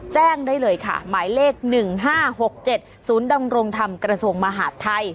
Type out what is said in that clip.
แจ้งได้เลยค่ะหมายเลขหนึ่งห้าหกเจ็ดศูนย์ดำรงธรรมกระทรวงมหาภัย